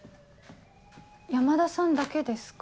山田さんだけですか？